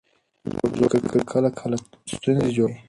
زوړ فکر کله کله ستونزې جوړوي.